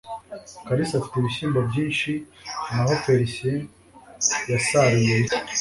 kalisa afite ibishyimbo byinshi naho félicien yasaruye bike